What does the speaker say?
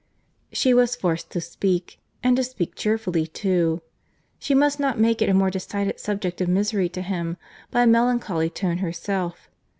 —She was forced to speak, and to speak cheerfully too. She must not make it a more decided subject of misery to him, by a melancholy tone herself.